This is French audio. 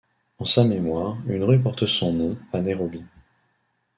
En sa mémoire, une rue porte son nom, à Nairobi.